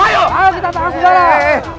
ayo kita tangkap sebarah